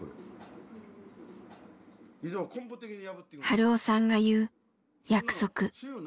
春雄さんが言う「約束」。